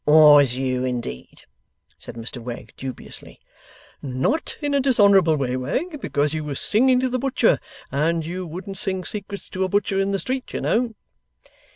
'Was you, indeed?' said Mr Wegg, dubiously. 'Not in a dishonourable way, Wegg, because you was singing to the butcher; and you wouldn't sing secrets to a butcher in the street, you know.